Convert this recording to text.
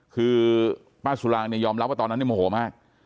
คือป้าสุรางเนี่ยยอมรับว่าตอนนั้นโมโหมาก